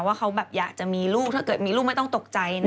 ว่าเขาแบบอยากจะมีลูกถ้าเกิดมีลูกไม่ต้องตกใจ